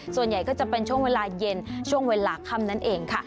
ส่วนใหญ่ก็จะเป็นช่วงเวลาเย็นช่วงเวลาค่ำนั่นเองค่ะ